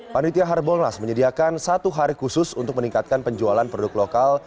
panitia harbolnas menyediakan satu hari khusus untuk meningkatkan penjualan produk lokal